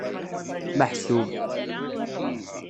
Meḥsub.